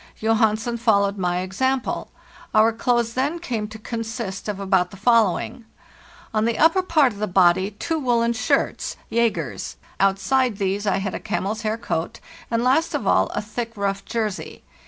Johansen followed my example. Our clothes then came to consist of about the following: On the upper part of the body two woollen. shirts (Jaeger's); outside these I had a camel's hair coat, and last of all a thick, rough jersey.